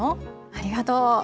ありがとう。